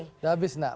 sudah habis nak